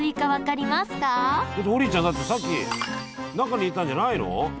王林ちゃんだってさっき中にいたんじゃないの？